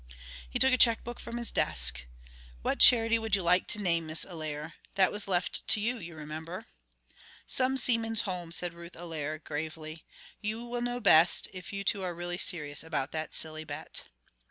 He took a check book from his desk. "What charity would you like to name, Miss Allaire? That was left to you, you remember." "Some seamen's home," said Ruth Allaire gravely. "You will know best, if you two are really serious about that silly bet."